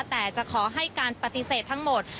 แต่จะขอให้การปฏิเสธทั้งหมด